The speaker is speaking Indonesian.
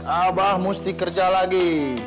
abah mesti kerja lagi